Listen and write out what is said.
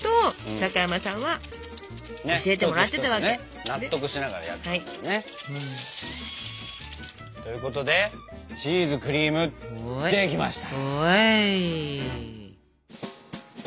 一つ一つね納得しながらやってたんだろうね。ということでチーズクリームできました。